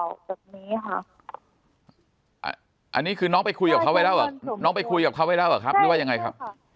แบบนี้คะอันนี้คือน้องไปคุยกับเขาไปแล้วหรอพูดแล้วคะ